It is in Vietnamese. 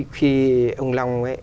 khi ông long ấy